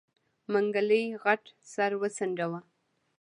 منګلي غټ سر وڅنډه.